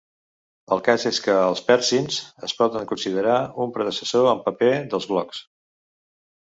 El cas és que els perzins es poden considerar un predecessor en paper dels blogs.